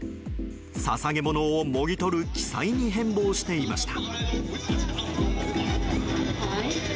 捧げものをもぎ取る奇祭に変貌していました。